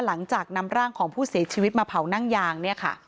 หลังจากนำร่างของผู้เสียชีวิตมาเผานั่งยางเนี่ยค่ะ